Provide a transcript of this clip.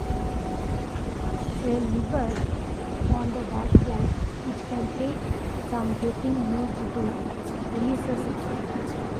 A lever on the dashboard, which can take some getting used to, releases it.